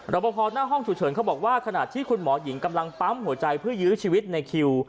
ประพอหน้าห้องฉุกเฉินเขาบอกว่าขณะที่คุณหมอหญิงกำลังปั๊มหัวใจเพื่อยื้อชีวิตในคิว